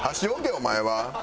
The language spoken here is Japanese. お前は。